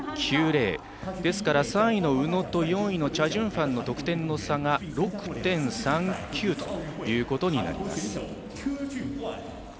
ですから３位の宇野と４位のチャ・ジュンファンの得点の差が６．３９ということになります。